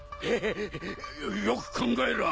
よく考えろ！